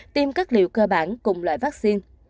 tiêm các liệu cơ bản cùng loại vaccine